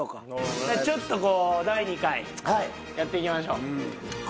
ちょっとこう第２回やっていきましょう。